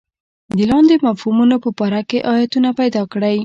د لاندې مفهومونو په باره کې ایتونه پیدا کړئ.